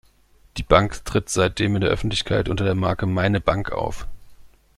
Die Bank tritt seitdem in der Öffentlichkeit unter der Marke "Meine Bank" auf.